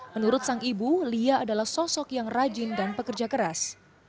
menurut sang ibu lia adalah sosok yang rajin dan pekerja keras